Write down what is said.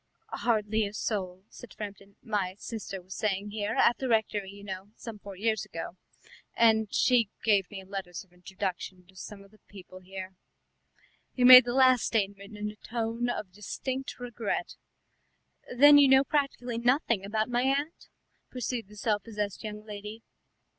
"Hardly a soul," said Framton. "My sister was staying here, at the rectory, you know, some four years ago, and she gave me letters of introduction to some of the people here." He made the last statement in a tone of distinct regret. "Then you know practically nothing about my aunt?" pursued the self possessed young lady.